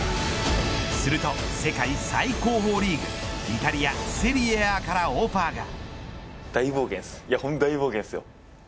すると世界最高峰リーグイタリアセリエＡからオファーが。